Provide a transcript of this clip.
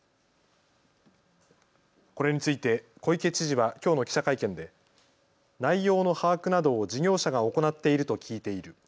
これについて小池知事はきょうの記者会見で内容の把握などを事業者が行っていると聞いている。